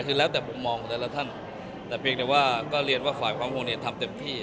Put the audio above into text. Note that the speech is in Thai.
คือแล้วแต่มุมมองของแต่ละท่านแต่เพียงแต่ว่าก็เรียนว่าฝ่ายความห่วงเนี่ยทำเต็มที่